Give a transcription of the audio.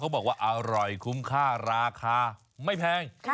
บอกว่าอร่อยคุ้มค่าราคาไม่แพง